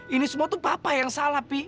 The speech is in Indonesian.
ini semua tuh papa yang salah